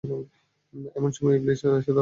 এমন সময় ইবলীস এসে দরজা ধাক্কা দেয়।